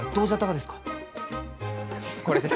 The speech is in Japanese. これです！